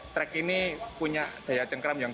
track ini punya daya cengkram yang